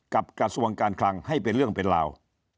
กระทรวงการคลังให้เป็นเรื่องเป็นราว